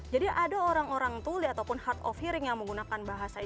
jadi ada orang orang tuli ataupun hard of hearing yang menggunakan bahasa lisan